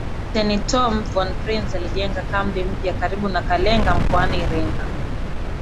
Kapteni Tom von Prince alijenga kambi mpya karibu na Kalenga mkoani Iringa